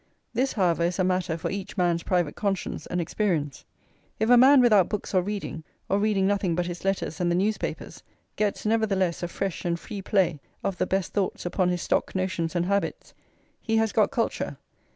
This, however, is a matter for each man's private conscience and experience. If a man without books or reading, or reading nothing but his letters and the newspapers, gets nevertheless a fresh and free play of the best thoughts upon his stock notions and habits, he has got culture.